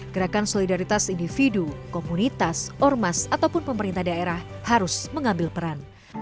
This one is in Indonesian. gerakan solidaritas individu komunitas ormas ataupun pemerintah daerah harus mengambil peran